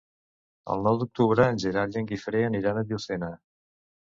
El nou d'octubre en Gerard i en Guifré aniran a Llucena.